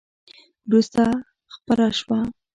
وروسته خپره شوه !